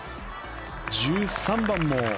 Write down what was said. １３番も。